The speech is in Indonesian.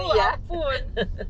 aduh ya ampun